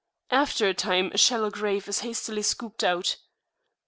After a time a shallow grave is hastily scooped out.